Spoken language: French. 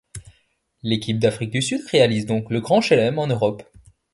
L'équipe d'Afrique du Sud réalise donc le Grand chelem en Europe.